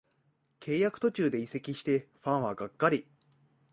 契約途中で移籍してファンはがっかり